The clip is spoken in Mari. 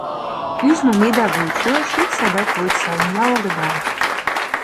— Ӱжмым ида вучо, шичса да кочса, уна огыдал.